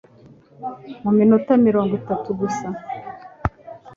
mu minota mirongo itatu gusa.